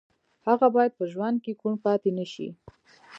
هغه باید په ژوند کې کوڼ پاتې نه شي